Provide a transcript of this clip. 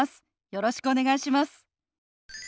よろしくお願いします。